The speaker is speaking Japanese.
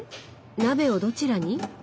鍋をどちらに？